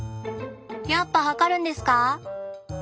やっぱ測るんですか？